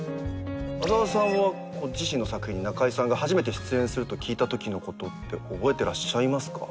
浅田さんは自身の作品に中井さんが初めて出演すると聞いたときのことって覚えてらっしゃいますか？